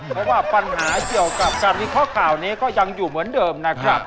เพราะว่าปัญหาเกี่ยวกับการวิเคราะห์ข่าวนี้ก็ยังอยู่เหมือนเดิมนะครับ